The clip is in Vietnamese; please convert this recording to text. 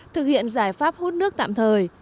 thực hiện giải pháp hút nước tạm thời